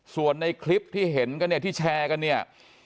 ส่วนในคลิปที่เห็นกันเนี่ยที่แชร์กันเนี่ย